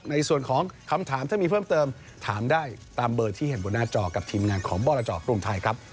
ในส่วนของคำถามถ้ามีเพิ่มเติมถามได้ตามเบอร์ที่เห็นบนหน้าจอกับทีมงานของบรจกรุงไทยครับ